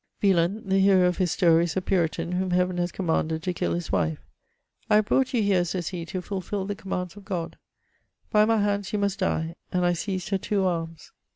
Wieland, the hero of his story, is a Puritan, whom heaven has commanded to kill his wife :" I have brought you here," says he, ^* to fulfil the com mands of God ; by my hands you must die :— and I seized her two arms.